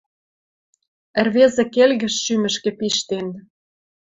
Ӹрвезӹ келгӹш шӱмӹшкӹ пиштен.